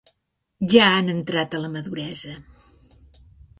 Ja han entrat a la maduresa.